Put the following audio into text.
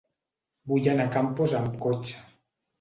Vull anar a Campos amb cotxe.